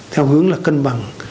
theo hướng là cân bằng